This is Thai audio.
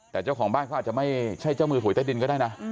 แต่เจ้าของบ้านเขาอาจจะไม่ใช่เจ้ามือหวยใต้ดินก็ได้นะ